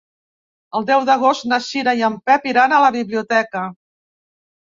El deu d'agost na Cira i en Pep iran a la biblioteca.